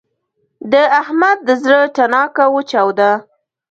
د احمد د زړه تڼاکه وچاوده.